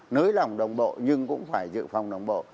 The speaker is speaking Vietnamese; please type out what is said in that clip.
nới lỏng đồng bộ nhưng cũng phải dự phòng đồng bộ